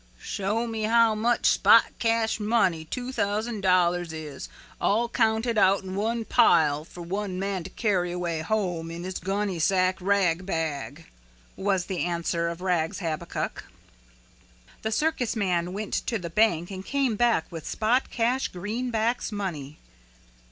"Show me how much spot cash money two thousand dollars is all counted out in one pile for one man to carry away home in his gunnysack rag bag," was the answer of Rags Habakuk. The circus man went to the bank and came back with spot cash greenbacks money.